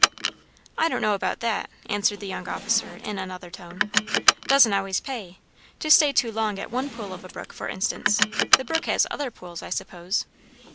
"I don't know about that," answered the young officer in another tone. "Doesn't always pay. To stay too long at one pool of a brook, for instance. The brook has other pools, I suppose."